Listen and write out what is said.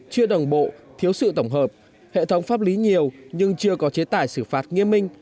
chưa đồng bộ thiếu sự tổng hợp hệ thống pháp lý nhiều nhưng chưa có chế tài xử phạt nghiêm minh